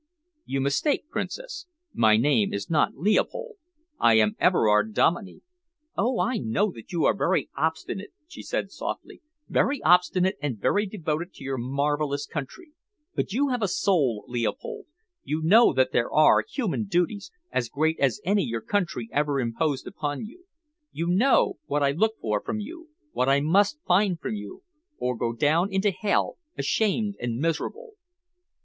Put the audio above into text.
"You mistake, Princess. My name is not Leopold. I am Everard Dominey." "Oh, I know that you are very obstinate," she said softly, "very obstinate and very devoted to your marvellous country, but you have a soul, Leopold; you know that there are human duties as great as any your country ever imposed upon you. You know what I look for from you, what I must find from you or go down into hell, ashamed and miserable."